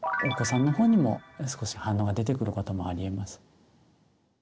お子さんの方にも少し反応が出てくることもありえます。